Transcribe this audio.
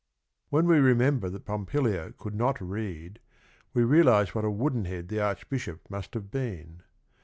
'" When we remember that P ompilia could n ot read, we realize what a woodenhead the Arch bishop must have been.